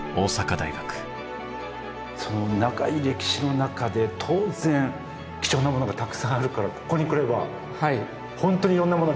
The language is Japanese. その長い歴史の中で当然貴重なものがたくさんあるからここに来れば本当にいろんなものが見れるってことですもんね？